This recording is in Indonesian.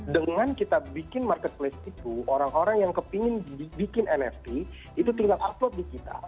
dengan kita bikin marketplace itu orang orang yang kepingin bikin nft itu tinggal upload di kita